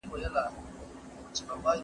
د نورو ژبو اغېز ځينې تېروتنې پيدا کوي.